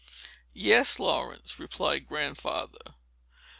"Yes, Laurence," replied Grandfather.